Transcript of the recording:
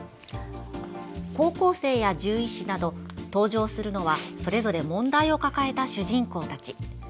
高校生や獣医師など登場するのはそれぞれ問題を抱えた主人公たち。